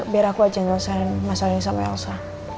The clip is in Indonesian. biar aku aja yang ngelesain masalah ini sama elsa